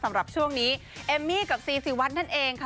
สำหรับช่วงนี้เอมมี่กับซีซีวัดนั่นเองค่ะ